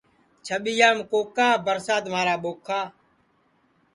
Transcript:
چھٻِیام کوکا برسات مھارا ٻوکھا